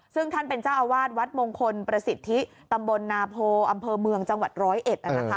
ซึ่งท่านเป็นเจ้าอาวาสวัดมงคลประสิทธิตำบลนาโพอำเภอเมืองจังหวัดร้อยเอ็ด